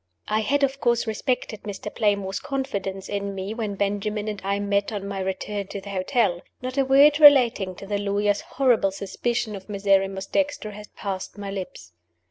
(I had of course respected Mr. Playmore's confidence in me when Benjamin and I met on my return to the hotel. Not a word relating to the lawyer's horrible suspicion of Miserrimus Dexter had passed my lips.)